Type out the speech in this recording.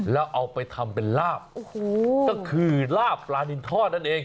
แล้วเอาไปทำเป็นลาบโอ้โหก็คือลาบปลานินทอดนั่นเอง